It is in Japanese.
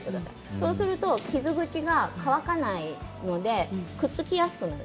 そうすると傷口が乾かないのでくっつきやすくなる。